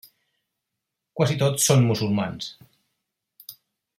Quasi tots són musulmans.